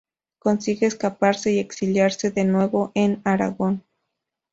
Consigue escaparse y exiliarse de nuevo en Aragón.